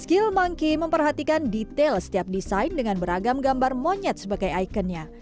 skill monkey memperhatikan detail setiap desain dengan beragam gambar monyet sebagai ikonnya